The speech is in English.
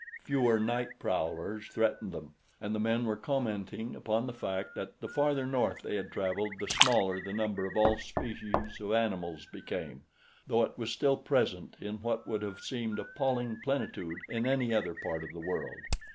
Fewer night prowlers threatened them, and the men were commenting upon the fact that the farther north they had traveled the smaller the number of all species of animals became, though it was still present in what would have seemed appalling plenitude in any other part of the world.